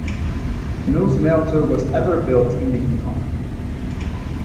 No smelter was ever built in the Yukon.